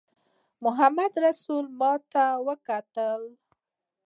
محمدرسول ماته وکتل.